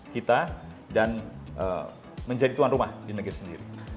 kita dan menjadi tuan rumah di negeri sendiri